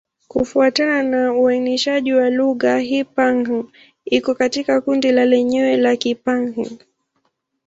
Kufuatana na uainishaji wa lugha, Kipa-Hng iko katika kundi lake lenyewe la Kipa-Hng.